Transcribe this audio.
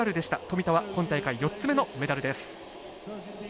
富田は今大会４つ目のメダルです。